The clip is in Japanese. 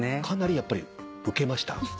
かなりやっぱりウケました？